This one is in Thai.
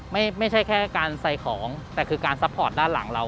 ไม่ใช่แค่การใส่ของแต่คือการซัพพอร์ตด้านหลังเรา